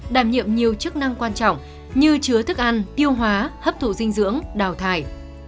đảm nhiệm nhiều chức năng quan trọng như chứa thức ăn tiêu hóa hấp thụ dinh dưỡng đào thải